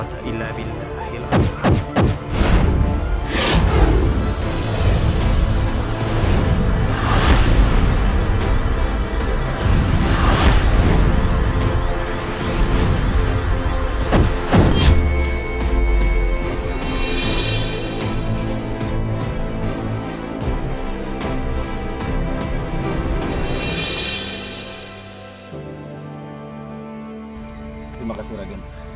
terima kasih raden